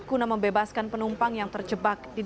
guna membebaskan penumpang yang terjebak